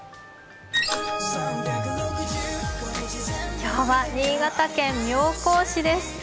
今日は新潟県妙高市です。